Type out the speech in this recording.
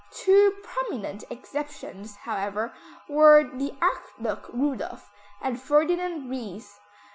Two prominent exceptions, however, were the Archduke Rudolph and Ferdinand Ries.